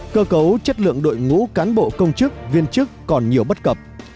cơ cấu chất lượng đội ngũ cán bộ công chức viên chức còn nhiều bất cập